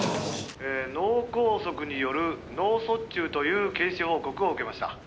「脳こうそくによる脳卒中という検視報告を受けました」